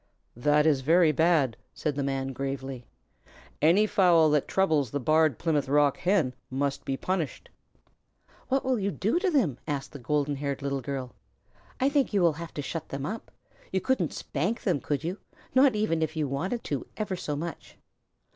"That is very bad," said the Man, gravely. "Any fowl that troubles the Barred Plymouth Rock Hen must be punished." "What will you do to them?" asked the golden haired Little Girl. "I think you will have to shut them up. You couldn't spank them, could you? Not even if you wanted to ever so much."